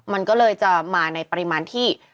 มันก็เลยจะมาในปริมาณที่